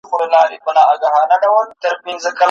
وروستی دیدن دی بیا به نه وي دیدنونه